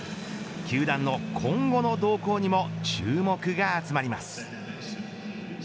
球団の今後の動向にも注目が集まります。